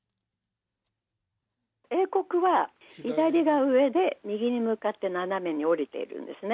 英国は左が上で、右に向かって斜めに下りているんですね。